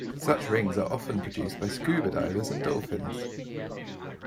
Such rings are often produced by scuba divers and dolphins.